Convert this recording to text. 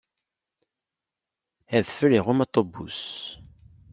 Adfel iɣumm aṭubus.